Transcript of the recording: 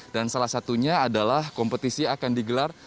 dan salah satunya adalah kompetisi akan digelar